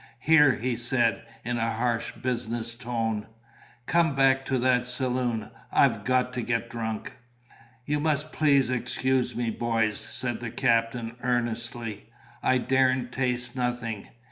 "Here," he said, in a hard, business tone. "Come back to that saloon. I've got to get drunk." "You must please excuse me, boys," said the captain, earnestly. "I daren't taste nothing.